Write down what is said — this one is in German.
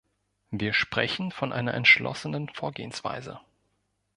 Wir sprechen von einer entschlossenen Vorgehensweise.